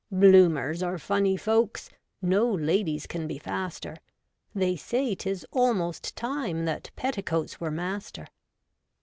Bloomers are funny folks, No ladies can be faster : They say 'tis almost time That petticoats were master.